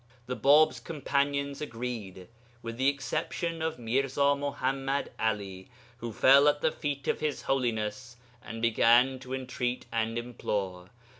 The Bāb's companions agreed, with the exception of Mirza Muḥammad 'Ali, who fell at the feet of His Holiness and began to entreat and implore....